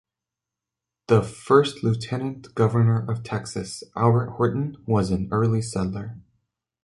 The first lieutenant governor of Texas, Albert Horton, was an early settler.